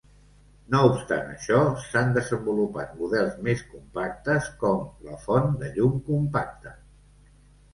No obstant això, s'han desenvolupat models més compactes, com la Font de Llum Compacta.